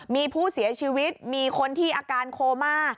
มีผู้เสียชีวิตมีคนที่อาการโคม่า